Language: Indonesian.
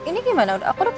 bermen saya aja ya kantor